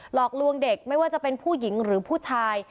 หลอกลวงเด็กไม่ว่าจะเป็นผู้หญิงหรือผู้ชาย